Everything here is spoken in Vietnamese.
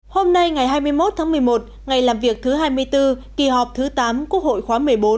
hôm nay ngày hai mươi một tháng một mươi một ngày làm việc thứ hai mươi bốn kỳ họp thứ tám quốc hội khóa một mươi bốn